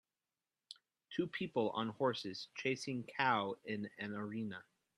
Two people on horses chasing cow in an arena